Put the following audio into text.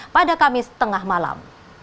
pada kamis tengah malam